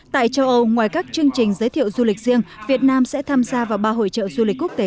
tại châu âu ngoài các chương trình giới thiệu du lịch riêng việt nam sẽ tham gia vào ba hội trợ du lịch quốc tế